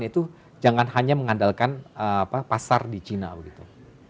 itu jangan hanya mengandalkan pasar di cina begitu